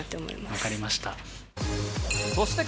分かりました。